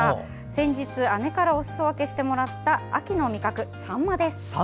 先日、姉からおすそ分けしてもらった秋の味覚、さんまです。